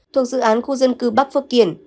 thuộc dự án khu dân cư bắc phước kiển